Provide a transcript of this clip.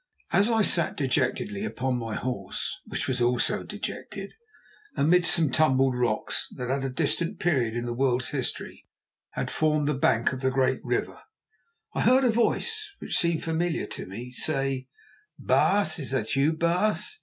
As I sat dejectedly upon my horse, which was also dejected, amidst some tumbled rocks that at a distant period in the world's history had formed the bank of the great river, I heard a voice which seemed familiar to me say: "Baas, is that you, baas?"